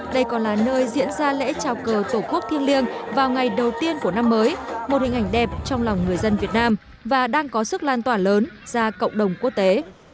đây còn là nơi diễn ra lễ trào cờ tổ quốc thiên liêng vào ngày đầu tiên của năm mới một hình ảnh đẹp trong lòng người dân việt nam và đang có sức lan tỏa lớn ra cộng đồng quốc tế